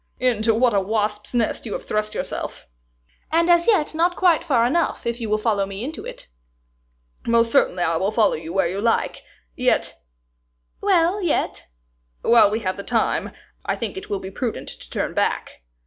"Into what a wasp's nest you have thrust yourself!" "And as yet not quite far enough, if you will follow me into it." "Most certainly I will follow you where you like. Yet " "Well, yet " "While we have time, I think it will be prudent to turn back."